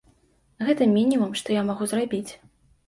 Гэта мінімум, што я магу зрабіць.